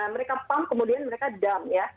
mereka pump kemudian mereka dump ya